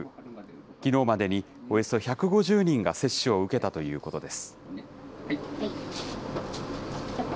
きのうまでにおよそ１５０人が接種を受けたということです。